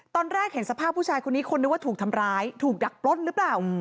ตอนแรกเห็นสภาพผู้ชายคนนี้คนนึกว่าถูกทำร้ายถูกดักปล้นหรือเปล่า